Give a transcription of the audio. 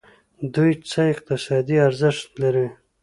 دوی څه اقتصادي ارزښت لري.